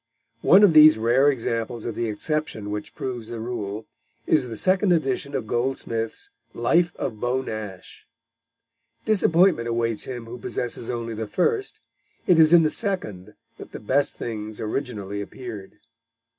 One of these rare examples of the exception which proves the rule is the second edition of Goldsmith's Life of Beau Nash. Disappointment awaits him who possesses only the first; it is in the second that the best things originally appeared.